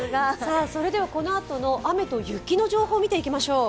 このあとの雨と雪の情報、見ていきましょう。